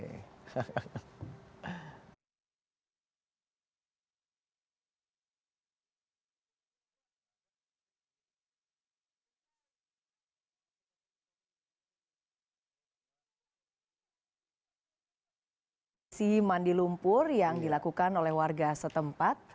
aksi mandi lumpur yang dilakukan oleh warga setempat